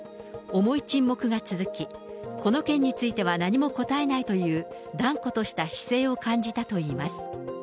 重い沈黙が続き、この件については何も答えないという、断固とした姿勢を感じたといいます。